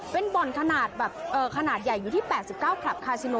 เป็นบ่อนขนาดแบบขนาดใหญ่อยู่ที่๘๙คลับคาซิโน